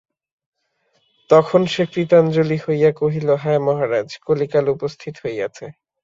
তখন সে কৃতাঞ্জলি হইয়া কহিল হাঁ মহারাজ কলিকাল উপস্থিত হইয়াছে।